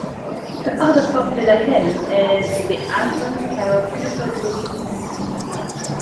Her other popular hymn is the Advent carol People, Look East!